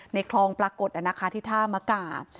ในคลองปรากฏอนาคาทิธามกา